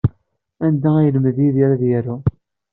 Anda ay yelmed Yidir ad yaru?